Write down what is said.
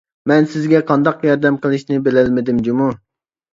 مەن سىزگە قانداق ياردەم قىلىشنى بىلەلمىدىم جۇمۇ!